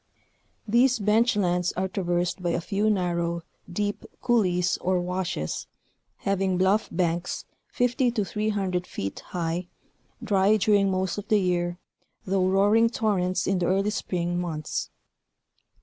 'These bench lands are traversed by a few nar row, deep. "couleés" or " washes" having bluff banks 50 to 300 feet high, dry during most of the year, though roaring torrents in the early spring months.